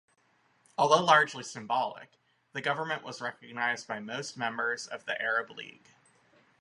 Although largely symbolic, the government was recognized by most members of the Arab League.